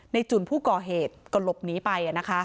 จุ่นผู้ก่อเหตุก็หลบหนีไป